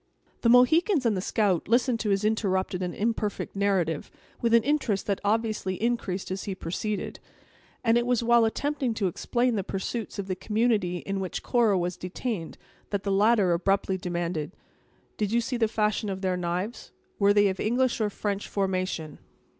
The Mohicans and the scout listened to his interrupted and imperfect narrative, with an interest that obviously increased as he proceeded; and it was while attempting to explain the pursuits of the community in which Cora was detained, that the latter abruptly demanded: "Did you see the fashion of their knives? were they of English or French formation?"